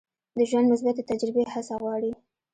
د ژوند مثبتې تجربې هڅه غواړي.